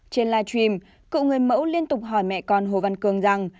trên live stream cựu người mẫu liên tục hỏi mẹ con hồ văn cường rằng